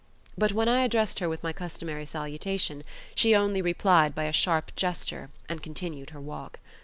But when I addressed her with my customary salutation, she only replied by a sharp gesture and continued her walk.